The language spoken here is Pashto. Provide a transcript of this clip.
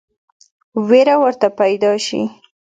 وېره ورته پیدا شي.